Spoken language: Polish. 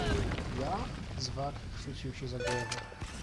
"Ja?“ Zwak chwycił się za głowę."